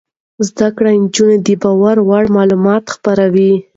زده کړې نجونې د باور وړ معلومات خپروي.